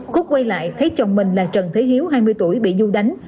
cút quay lại thấy chồng mình là trần thế hiếu hai mươi tuổi bị du đánh